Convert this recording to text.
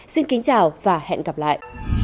xin kính chào và hẹn gặp lại